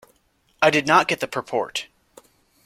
I did not get the purport.